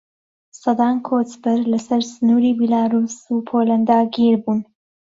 سەدان کۆچبەر لەسەر سنووری بیلاڕووس و پۆلەندا گیر بوون.